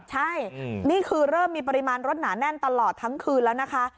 ใช่นี่คือเริ่มมีปริมาณรถหนาแน่นตลอดทั้งคืนแล้วนะคะ